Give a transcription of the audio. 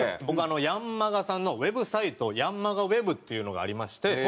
僕『ヤンマガ』さんのウェブサイトヤンマガＷｅｂっていうのがありまして。